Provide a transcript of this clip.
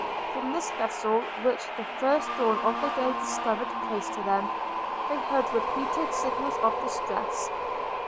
From this vessel, which the first dawn of day discovered close to them, they heard repeated signals of distress.